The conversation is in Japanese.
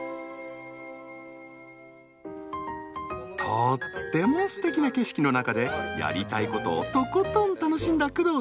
とってもすてきな景色の中でやりたいことをとことん楽しんだ工藤さん。